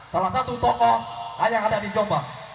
salah satu toko yang ada di jombang